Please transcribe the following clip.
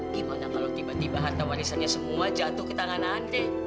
gimana kalau tiba tiba harta warisannya semua jatuh ke tangan anda